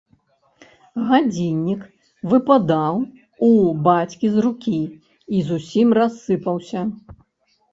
Гадзіннік выпадаў у бацькі з рукі і зусім рассыпаўся.